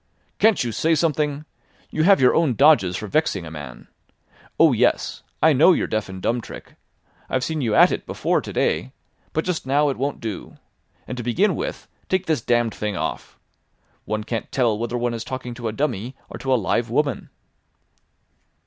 "Can't you say something? You have your own dodges for vexing a man. Oh yes! I know your deaf and dumb trick. I've seen you at it before to day. But just now it won't do. And to begin with, take this damned thing off. One can't tell whether one is talking to a dummy or to a live woman."